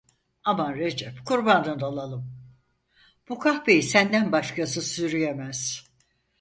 Aman Recep, kurbanın olalım, bu kahpeyi senden başkası sürüyemez…